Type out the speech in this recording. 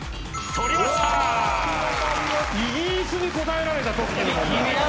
イギリスに答えられた栃木。